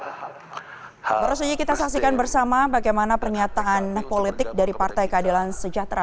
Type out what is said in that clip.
baru saja kita saksikan bersama bagaimana pernyataan politik dari partai keadilan sejahtera